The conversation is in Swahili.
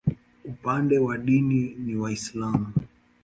Upande wa dini ni Waislamu.